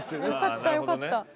よかったよかった。